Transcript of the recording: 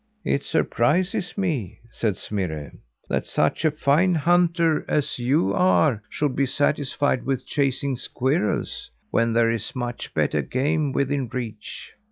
"It surprises me," said Smirre, "that such a fine hunter as you are should be satisfied with chasing squirrels when there is much better game within reach."